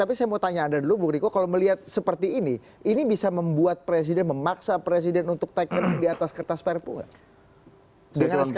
pertanyaan anda dulu bung riko kalau melihat seperti ini ini bisa membuat presiden memaksa presiden untuk take off di atas kertas perpu nggak